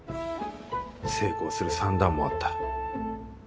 成功する算段もあった。